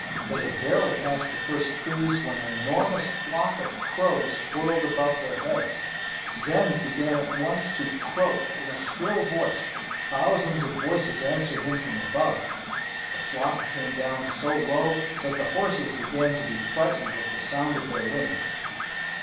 They had barely passed the first trees when an enormous flock of crows whirled above their heads. Zend began at once to croak in a shrill voice; thousands of voices answered him from above. The flock came down so low that the horses began to be frightened at the sound of their wings.